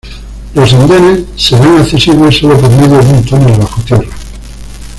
Los andenes serán accesibles solo por medio de un túnel bajo tierra.